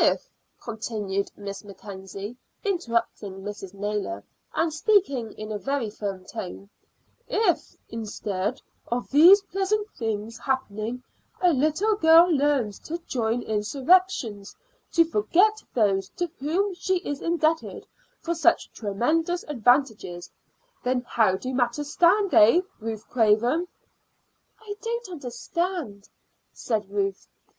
"If," continued Miss Mackenzie, interrupting Mrs. Naylor, and speaking in a very firm tone "if, instead of these pleasant things happening, a little girl learns to join insurrectionists, to forget those to whom she is indebted for such tremendous advantages, then how do matters stand eh, Ruth Craven?" "I don't understand," said Ruth.